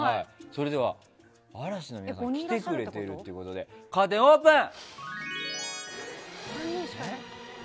それでは嵐の皆さん来てくれてるってことなのでカーテン、オープン！